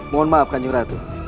mohon maaf kanjeng ratu